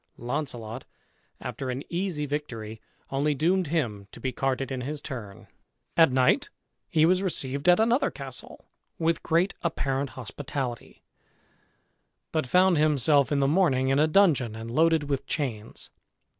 Launcelot, after an easy victory, only doomed him to be carted in his turn. At night he was received at another castle, with great apparent hospitality, but found himself in the morning in a dungeon, and loaded with chains.